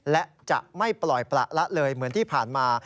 และจะไม่ปล่อยประละเลยเหมือนที่ผ่านมา